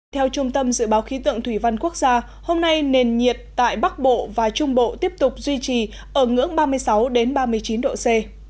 theo trung tâm dự báo khí tượng thủy văn quốc gia hôm nay nền nhiệt tại bắc bộ và trung bộ tiếp tục duy trì ở ngưỡng ba mươi sáu ba mươi chín độ c